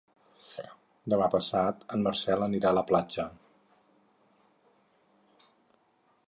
Demà passat en Marcel anirà a la platja.